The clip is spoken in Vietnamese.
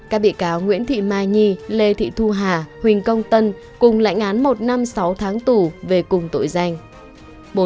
các bị cáo nguyễn thị mai nhi lê thị thu hà huỳnh công tân cùng lãnh án một năm sáu tháng tù về cùng tội danh